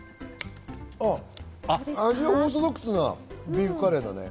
味はオーソドックスなビーフカレーだね。